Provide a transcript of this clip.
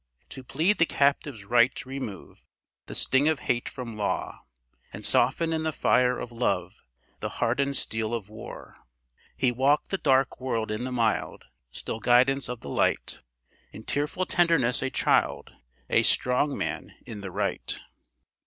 "To plead the captive's right; remove The sting of hate from law; And soften in the fire of love The hardened steel of war. "He walked the dark world in the mild, Still guidance of the light; In tearful tenderness a child, A strong man in the right."